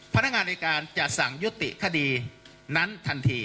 พนักงานในการจะสั่งยุติคดีนั้นทันที